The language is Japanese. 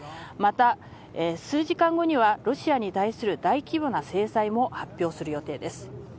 また、数時間後にはロシアに対する大規模な制裁も発表する予定です。